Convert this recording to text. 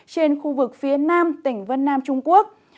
trên khu vực phía nam tỉnh vân nam trung quốc